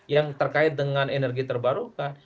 yang terkait dengan energi terbarukan